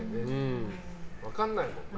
分かんないもんな。